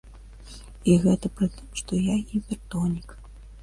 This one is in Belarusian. І гэта пры тым, што я гіпертонік.